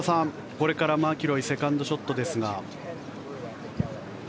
これからマキロイセカンドショットですが。